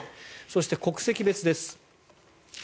そして、国籍別です。